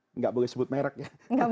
tidak boleh sebut merek ya